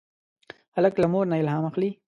هلک له مور نه الهام اخلي.